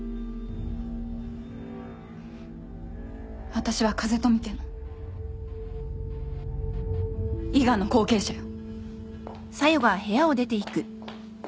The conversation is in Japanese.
私は風富家の伊賀の後継者よ。